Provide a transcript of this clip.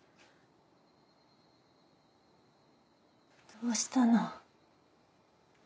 どうしたの？